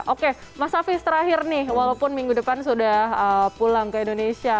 oke mas hafiz terakhir nih walaupun minggu depan sudah pulang ke indonesia